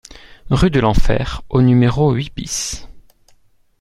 Rue de l'Enfer au numéro huit BIS